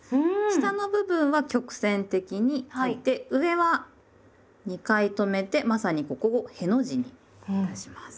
下の部分は曲線的に書いて上は２回止めてまさにここを「への字」にいたします。